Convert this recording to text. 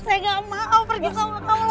saya gak mau pergi sama kamu